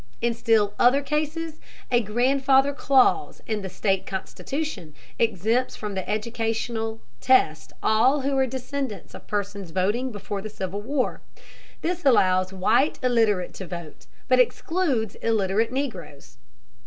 In still other cases a "grandfather clause" in the state constitution exempts from the educational test all who are descendants of persons voting before the Civil War. This allows white illiterates to vote, but excludes illiterate Negroes.